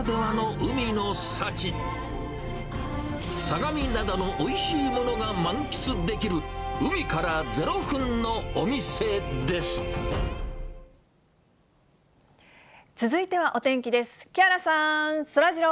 相模灘のおいしいものが満喫できる、海から０分のお店です。